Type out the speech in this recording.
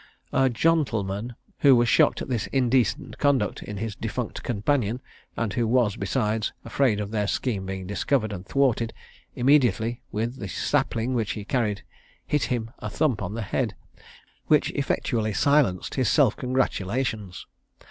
A "jontleman" who was shocked at this indecent conduct in his defunct companion, and who was, besides, afraid of their scheme being discovered and thwarted, immediately, with the sapling which he carried, hit him a thump on the head, which effectually silenced his self congratulations.